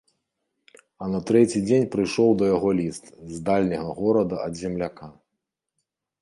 А на трэці дзень прыйшоў да яго ліст з дальняга горада ад земляка.